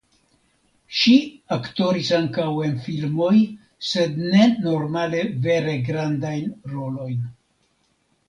Ŝi aktoris ankaŭ en filmoj sed ne normale vere grandajn rolojn.